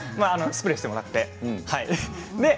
スプレーしてもらって。